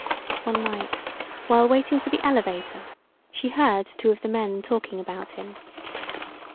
One night, while waiting for the elevator, she heard two of the men talking about him.